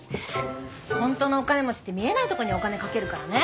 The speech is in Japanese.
本当のお金持ちって見えないとこにお金かけるからね。